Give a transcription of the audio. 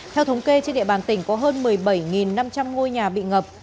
theo thống kê trên địa bàn tỉnh có hơn một mươi bảy năm trăm linh ngôi nhà bị ngập